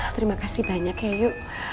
terima kasih banyak ya yuk